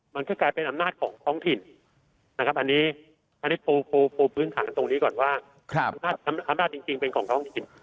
มันก็กลายเป็นอำนาจของท้องถิ่นนะครับอันนี้ปูพื้นฐานตรงนี้ก่อนว่าอำนาจจริงเป็นของท้องถิ่น